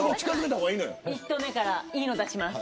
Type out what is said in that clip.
１投目から、いいの出します。